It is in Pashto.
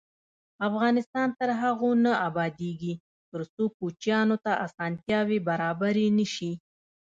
افغانستان تر هغو نه ابادیږي، ترڅو کوچیانو ته اسانتیاوې برابرې نشي.